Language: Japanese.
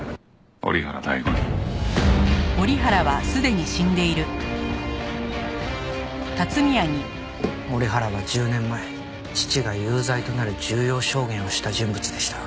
折原は１０年前父が有罪となる重要証言をした人物でした。